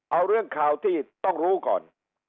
เอาเรื่องข่าวที่ต้องรู้ก่อน